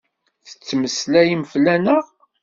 Ttettmeslayem fell-aneɣ?